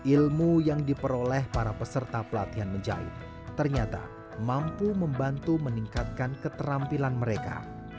ilmu yang diperoleh para peserta pelatihan menjahit ternyata mampu membantu meningkatkan keterampilan mereka